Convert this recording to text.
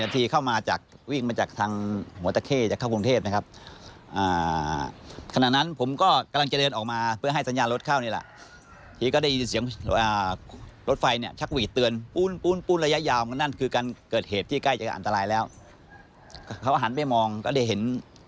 ตรงนั้นเป็นทางผ่านสนศรีเนคาริน